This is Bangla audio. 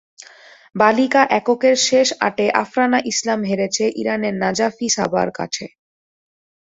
বালিকা এককের শেষ আটে আফরানা ইসলাম হেরেছে ইরানের নাজাফি সাবার কাছে।